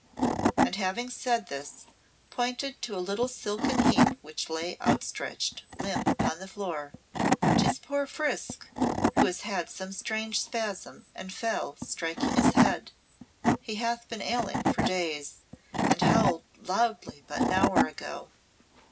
And having said this, pointed to a little silken heap which lay outstretched limp upon the floor. "'Tis poor Frisk, who has had some strange spasm, and fell, striking his head. He hath been ailing for days, and howled loudly but an hour ago.